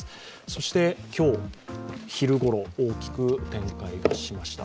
そして今日、昼ごろ大きく展開がしました。